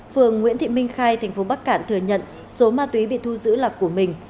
phường nguyễn thị minh khai thành phố bắc cạn thừa nhận số ma túy bị thu giữ là của mình